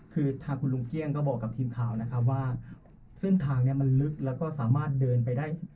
คือทางคุณลุงเกลี้ยงก็บอกกับทีมข่าวนะครับว่าเส้นทางนี้มันลึกแล้วก็สามารถเดินไปได้